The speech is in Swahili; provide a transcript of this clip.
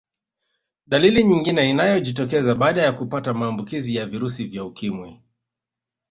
Dalili nyingine inayojitokeza baada ya kupata maambukizi ya virusi vya ukimwi